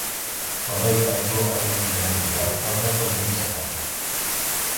تالاي ئارزۇ-ئارمان بىلەن، يىراقلارغا قىلدىم سەپەر.